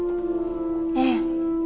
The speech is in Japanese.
ええ。